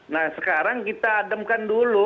nah sekarang kita ademkan dulu